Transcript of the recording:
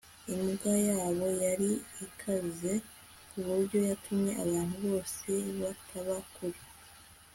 Imbwa yabo yari ikaze kuburyo yatumye abantu bose bataba kure